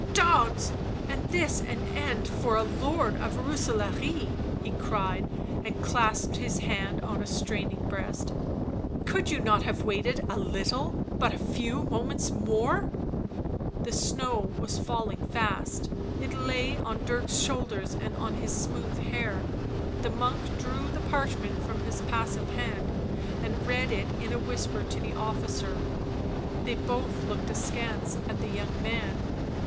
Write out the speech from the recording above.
" Dogs! was this an end for a lord of Rooselaare!" he cried, and clasped his hand on a straining breast. " Could you not have waited a little— but a few moments more 1" The snow was falling fast; it lay on Dirk's shoulders and on his smooth hair ; the monk drew the parchment from his passive hand and read it in a whisper to the officer ; they both looked askance at the young man.